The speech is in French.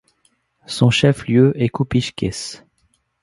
Son chef-lieu est Kupiškis.